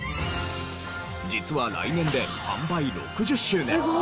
実は来年で販売６０周年。